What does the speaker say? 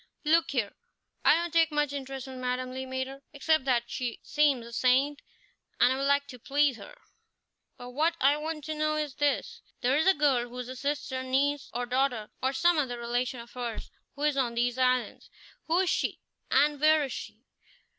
"Look here! I don't take much interest in Madame Le Maître, except that she seems a saint and I'd like to please her; but what I want to know is this there is a girl who is a sister, or niece, or daughter, or some other relation of hers, who is on these islands. Who is she, and where is she?"